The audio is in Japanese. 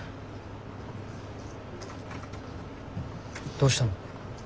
どうしたの？